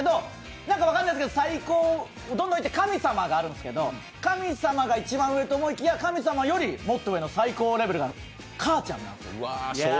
何か分からないですけど神様があるんですけど、神様が一番上と思いきや、神様よりもっと上の最高レベルがかあちゃんなんです。